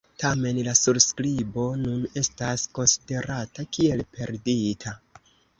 Tamen la surskribo nun estas konsiderata kiel perdita.